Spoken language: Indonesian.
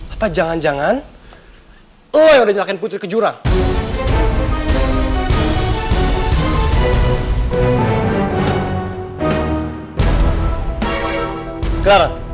apa jangan jangan lo yang udah nyalakin putri kejurang